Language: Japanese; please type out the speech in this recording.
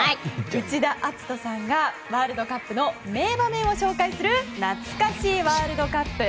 内田篤人さんがワールドカップの名場面を紹介するなつか史ワールドカップ。